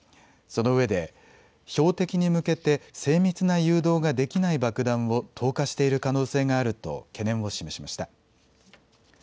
そのうえで標的に向けて精密な誘導ができない爆弾を投下している可能性があると懸念を示しました。